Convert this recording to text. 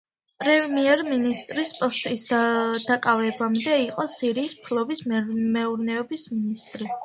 პრემიერ-მინისტრის პოსტის დაკავებამდე იყო სირიის სოფლის მეურნეობის მინისტრი.